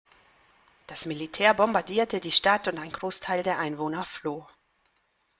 Das Militär bombardierte die Stadt und ein Großteil der Einwohner floh.